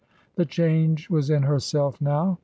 The change was in herself now.